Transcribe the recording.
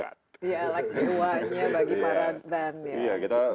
ya seperti dewa bagi para band